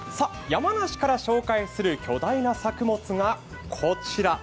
山梨から紹介する巨大な作物がこちら。